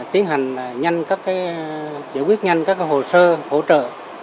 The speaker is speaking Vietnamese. tiến hành nhanh các cái giải quyết nhanh các cái hồ sơ hỗ trợ